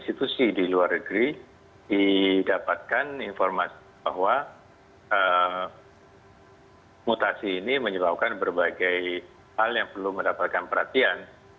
institusi di luar negeri didapatkan informasi bahwa mutasi ini menyebabkan berbagai hal yang perlu mendapatkan perhatian